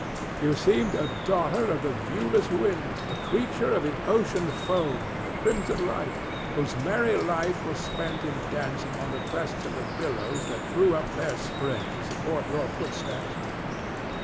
You seemed a daughter of the viewless wind, a creature of the ocean foam and the crimson light, whose merry life was spent in dancing on the crests of the billows that threw up their spray to support your footsteps.